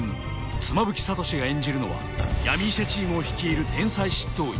妻夫木聡が演じるのは闇医者チームを率いる天才執刀医